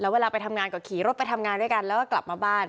เวลาไปทำงานก็ขี่รถไปทำงานด้วยกันแล้วก็กลับมาบ้าน